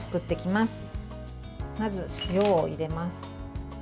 まず、塩を入れます。